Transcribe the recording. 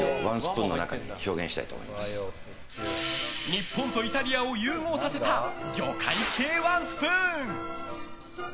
日本とイタリアを融合させた魚介系ワンスプーン。